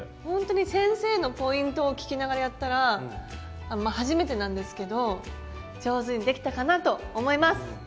ほんとに先生のポイントを聞きながらやったら初めてなんですけど上手にできたかなと思います。